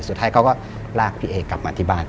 สุดท้ายเขาก็ลากพี่เอกลับมาที่บ้าน